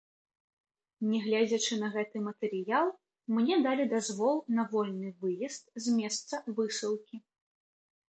Нягледзячы на гэты матэрыял, мне далі дазвол на вольны выезд з месца высылкі.